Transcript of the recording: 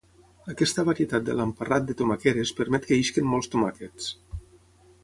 Aquesta varietat de l'emparrat de tomaqueres permet que isquen molts tomàquets.